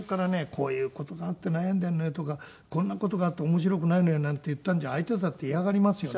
「こういう事があって悩んでいるのよ」とか「こんな事があって面白くないのよ」なんて言ったんじゃ相手だって嫌がりますよね。